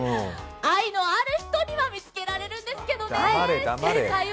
愛のある人には見つけられるんですけどね。